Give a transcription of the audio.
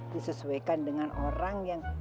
disesuaikan dengan orang yang